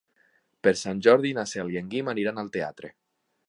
Per Sant Jordi na Cel i en Guim aniran al teatre.